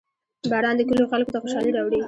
• باران د کلیو خلکو ته خوشحالي راوړي.